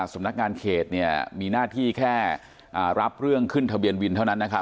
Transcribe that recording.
สำนักงานเขตเนี่ยมีหน้าที่แค่อ่ารับเรื่องขึ้นทะเบียนวินเท่านั้นนะครับ